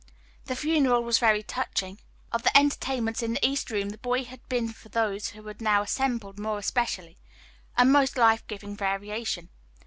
"The funeral was very touching. Of the entertainments in the East Room the boy had been for those who now assembled more especially a most life giving variation.